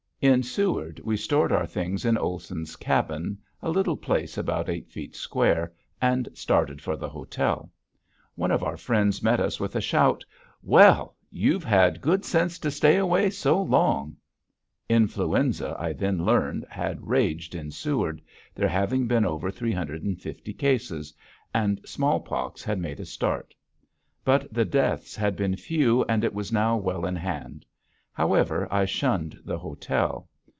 In Seward we stored our things in Olson's cabin, a little place about eight feet square, and started for the hotel. One of our friends met us with a shout, "Well, you've had good sense to stay away so long." Influenza, I then learned, had raged in Seward, there having been over 350 cases; and smallpox had made a start. But the deaths had been few and it was now well in hand. However, I shunned the hotel.